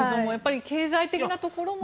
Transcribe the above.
経済的なところも。